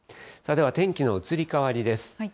では天気の移り変わりです。